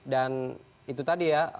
dan itu tadi ya